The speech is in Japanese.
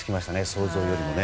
想像よりも。